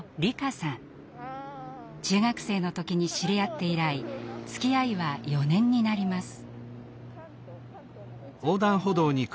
中学生の時に知り合って以来つきあいは４年になります。